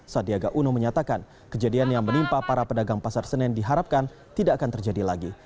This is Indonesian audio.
sandiaga uno menyatakan kejadian yang menimpa para pedagang pasar senen diharapkan tidak akan terjadi lagi